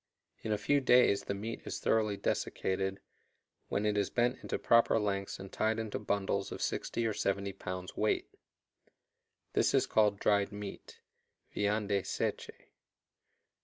In a few days the meat is thoroughly desiccated, when it is bent into proper lengths and tied into bundles of 60 or 70 pounds weight. This is called dried meat (viande seche).